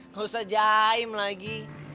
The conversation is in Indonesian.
nggak usah jaim lagi